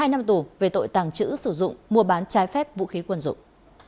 hai năm tù về tội tàng trữ sử dụng mua bán trái phép vũ khí quân dụng